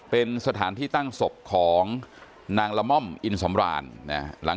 เป็นสถานที่ตั้งศพของนางละม่อมอินสำราญนะฮะ